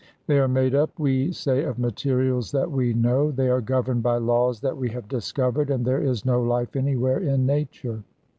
They are made up, we say, of materials that we know, they are governed by laws that we have discovered, and there is no life anywhere in Nature.